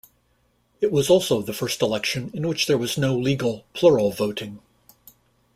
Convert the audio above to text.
It was also the first election in which there was no legal plural voting.